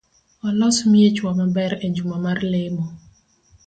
Walos miechwa maber ejuma mar lemo